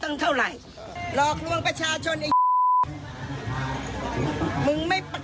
นั่นขอเสียงหน่อย